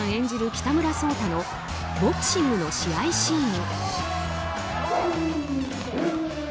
北村草太のボクシングの試合シーン。